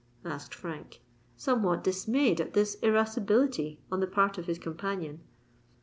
asked Frank, somewhat dismayed at this irascibility on the part of his companion.